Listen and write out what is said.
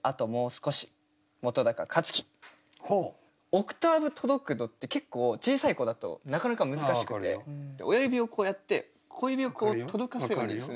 オクターブ届くのって結構小さい子だとなかなか難しくて親指をこうやって小指をこう届かせるようにするんです。